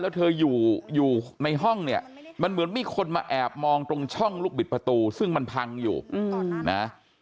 แล้วเธออยู่อยู่ในห้องเนี่ยมันเหมือนมีคนมาแอบมองตรงช่องลูกบิดประตูซึ่งมันพังอยู่นะ